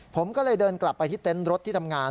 ผมก็เลยเดินกลับไปที่เต็นต์รถที่ทำงาน